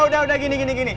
udah udah gini gini gini